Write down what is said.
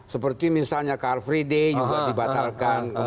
seperti misalnya car free day juga dibatalkan